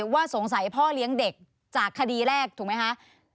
ว่าสงสัยพ่อเลี้ยงเด็กจากคดีแรกถูกไหมคะ